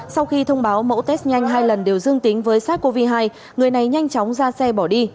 sau khi thông báo mẫu test nhanh hai lần đều dương tính với sars cov hai người này nhanh chóng ra xe bỏ đi